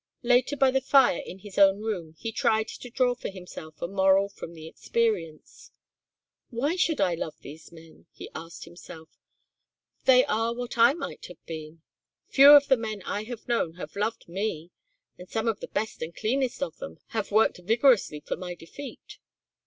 Later by the fire in his own room he tried to draw for himself a moral from the experience. "Why should I love these men?" he asked himself. "They are what I might have been. Few of the men I have known have loved me and some of the best and cleanest of them have worked vigorously for my defeat.